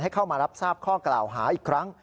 เข้ามารับทราบข้อกล่าวหาอีกครั้ง